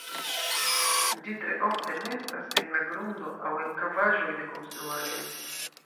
Ĝi tre ofte nestas en la grundo aŭ en kavaĵoj de konstruaĵoj.